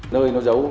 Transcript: nơi nó giấu